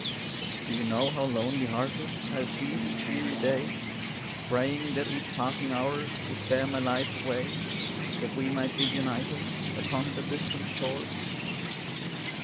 "Do you know how lonely hearted I have been each weary day, Praying that each passing hour Would bear my life away, That we might be united Upon that distant shore?"